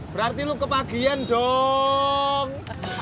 berarti lo kepagian dong